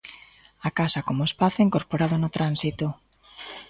A casa como espazo incorporado no tránsito.